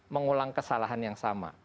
mengulang kesalahan yang sama